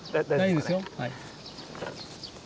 大丈夫ですよ。